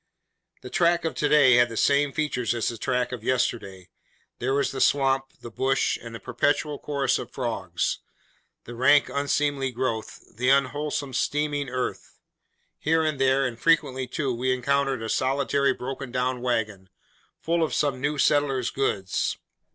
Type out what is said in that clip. The track of to day had the same features as the track of yesterday. There was the swamp, the bush, and the perpetual chorus of frogs, the rank unseemly growth, the unwholesome steaming earth. Here and there, and frequently too, we encountered a solitary broken down waggon, full of some new settler's goods.